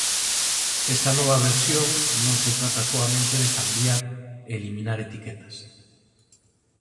Esta nova versión non se trata soamente de cambiar e eliminar etiquetas.